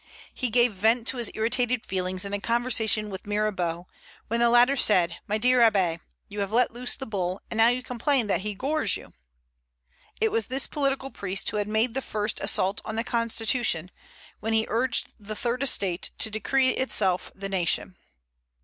He gave vent to his irritated feelings in a conversation with Mirabeau, when the latter said, "My dear Abbé, you have let loose the bull, and you now complain that he gores you." It was this political priest who had made the first assault on the constitution, when he urged the Third Estate to decree itself the nation.